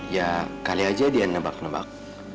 ya kali aja dia nebak nebak